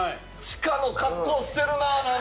地下の格好してるな！